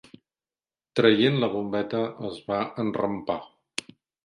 Traient la bombeta es va enrampar.